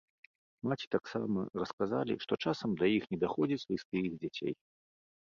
Маці таксама расказалі, што часам да іх не даходзяць лісты іх дзяцей.